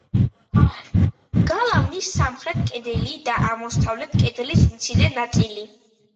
გალავნის სამხრეთ კედელი და აღმოსავლეთ კედლის მცირე ნაწილი.